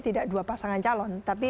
tidak dua pasangan calon tapi